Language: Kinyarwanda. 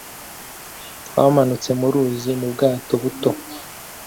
Twamanutse mu ruzi mu bwato buto.